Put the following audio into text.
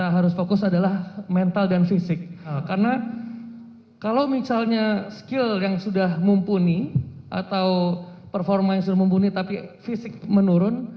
karena kalau misalnya skill yang sudah mumpuni atau performa yang sudah mumpuni tapi fisik menurun